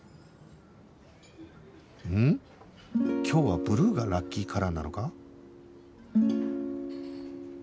今日はブルーがラッキーカラーなのか？